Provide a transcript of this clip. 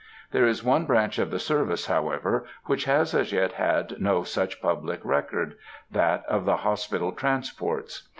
There is one branch of the service, however, which has as yet had no such public record,—that of the Hospital Transports.